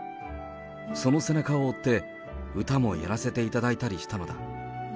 その背中を追って、歌もやらせていただいたりしたのだ。